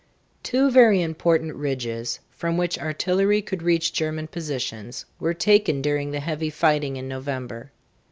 Two very important ridges, from which artillery could reach German positions, were taken during the heavy fighting in November.